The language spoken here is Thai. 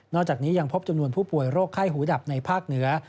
จากนี้ยังพบจำนวนผู้ป่วยโรคไข้หูดับในภาคเหนือ